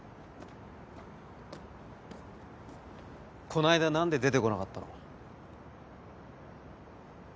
こないだ何で出てこなかったの？